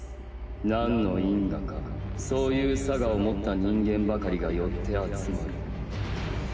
何の因果かそういう性を持った人間ばかりが寄って集まる。